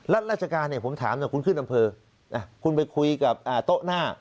ราชการเนี่ยผมถามคุณขึ้นอำเภอคุณไปคุยกับโต๊ะหน้า